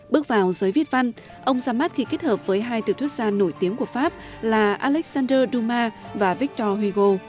bước vào giới viết văn ông ra mắt khi kết hợp với hai tiểu thuyết gia nổi tiếng của pháp là alexander dumas và victor hugo